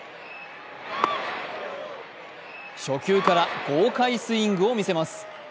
初球から豪快スイングを見せます。